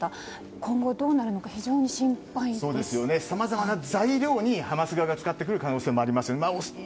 今後、どうなるのかさまざまな材料にハマス側が使ってくる可能性もありますよね。